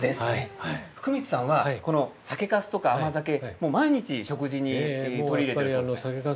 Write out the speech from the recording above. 福光さんは酒かすや甘酒を毎日、食事に取り入れているそうですね。